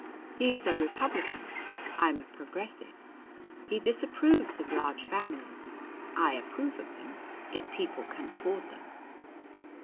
He is a Republican; I'm a Progressive. He disapproves of large families; I approve of them, if people can afford them."